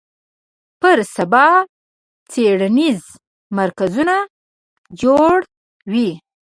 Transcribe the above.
پر سبا څېړنیز مرکزونه جوړ وي